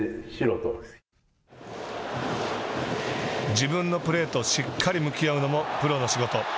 自分のプレーとしっかり向き合うのもプロの仕事。